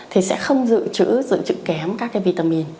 thì sẽ không giữ chữ kém các vitamin